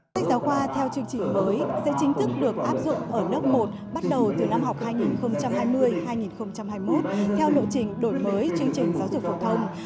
sách giáo khoa theo chương trình mới sẽ chính thức được áp dụng ở lớp một bắt đầu từ năm học hai nghìn hai mươi hai nghìn hai mươi một theo lộ trình đổi mới chương trình giáo dục phổ thông